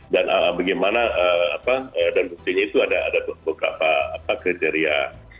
dan bagaimana dan buktinya itu ada beberapa kriteria